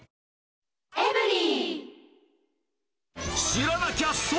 知らなきゃ損！